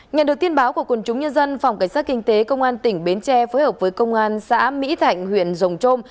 nhận được tin báo của quân chúng nhân dân phòng cảnh sát kinh tế công an tỉnh bến tre phối hợp với công an xã mỹ thạnh huyện rồng trôm